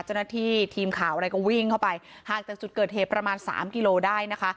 เจ้าหน้าที่ทีมข่าวอะไรก็วิ่งเข้าไปห่างจากจุดเกิดเหตุประมาณสามกิโลได้นะคะ